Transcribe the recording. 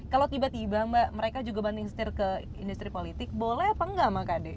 kalau tiba tiba mbak mereka juga banding setir ke industri politik boleh apa enggak makanya